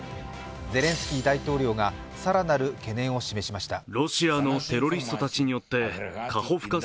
ゼレンスキー大統領が更なる懸念を示しました。